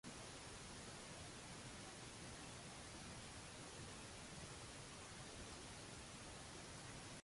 Irrid ngħid li teknikament il-Gvern irrilaxxa l-assi li huma tal-Istat.